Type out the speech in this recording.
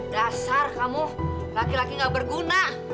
dasar kamu laki laki gak berguna